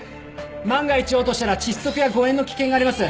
万が一嘔吐したら窒息や誤嚥の危険があります。